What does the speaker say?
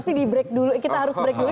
tapi di break dulu kita harus break dulu